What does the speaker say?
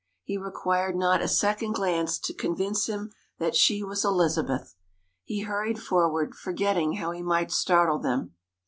He required not a second glance to convince him that she was Elizabeth. He hurried forward, forgetting how he might startle them.